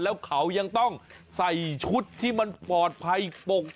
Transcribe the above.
แล้วเขายังต้องใส่ชุดที่มันปลอดภัยปก